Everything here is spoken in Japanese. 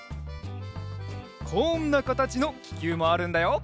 こんなかたちのききゅうもあるんだよ。